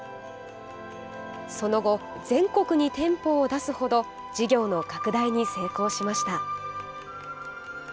その後、全国に店舗を出すほど事業の拡大に成功しました。